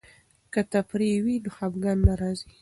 که تفریح وي نو خفګان نه راځي.